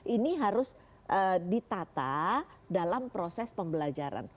ini harus ditata dalam proses pembelajaran